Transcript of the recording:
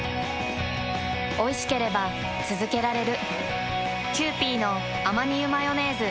おいしければつづけられる。